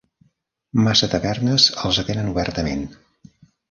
Massa tavernes els atenen obertament.